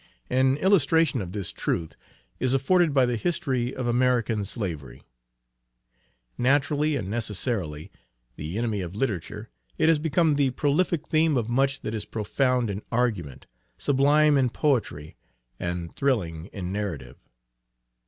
An illustration of this truth is afforded by the history of American Slavery. Naturally and necessarily, the enemy of literature, it has become the prolific theme of much that is profound in argument, sublime in poetry, and thrilling in narrative.